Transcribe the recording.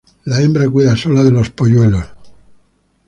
La hembra cuida sola de los polluelos.